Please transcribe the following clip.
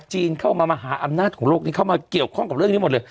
จีนเข้ามามหาอำนาจของโลกนี้เข้ามาเกี่ยวข้องกับเรื่องนี้หมดเลย